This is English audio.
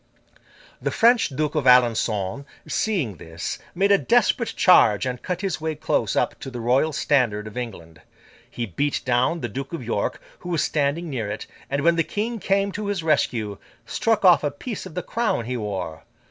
The French Duke of Alençon, seeing this, made a desperate charge, and cut his way close up to the Royal Standard of England. He beat down the Duke of York, who was standing near it; and, when the King came to his rescue, struck off a piece of the crown he wore.